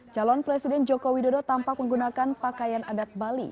calon presiden joko widodo tampak menggunakan pakaian adat bali